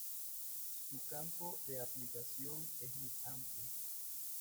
Su campo de aplicación es muy amplio.